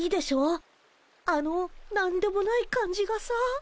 あの何でもない感じがさ。